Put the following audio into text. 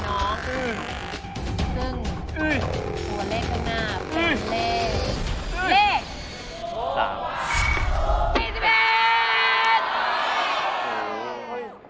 ซึ่งตัวเลขข้างหน้าเป็นเลข๓